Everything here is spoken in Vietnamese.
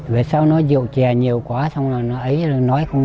vì sao nó rượu chè nhiều quá xong là ấy nói không có gì